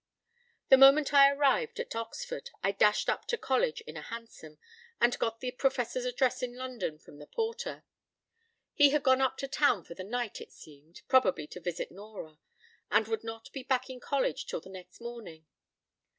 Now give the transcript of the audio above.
p> The moment I arrived at Oxford, I dashed up to college in a hansom, and got the Professor's address in London from the porter. He had gone up to town for the night, it seemed, probably to visit Nora, and would not beback in college till the next morning.